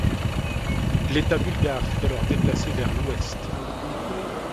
L'État bulgare fut alors déplacé vers l'ouest.